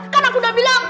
kan aku udah bilang